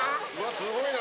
すごいな。